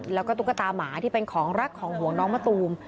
แล้วก็ตุ๊กตาหมาที่เป็นของรักของห่วงน้องมะตูม